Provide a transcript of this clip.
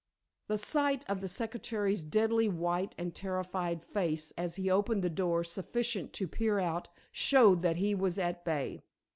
The sight of the secretary's deadly white and terrified face as he opened the door sufficient to peer out showed that he was at bay.